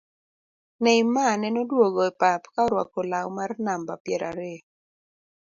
Neymar nene odwogo e pap ka orwako lau mar namba piero ariyo